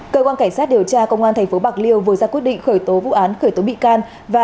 cơ quan cảnh sát điều tra công an tp bạc liêu vừa ra quyết định khởi tố vụ án khởi tố bị can